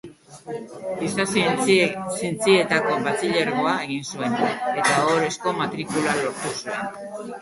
Giza zientzietako Batxilergoa egin zuen, eta ohorezko matrikula lortu zuen.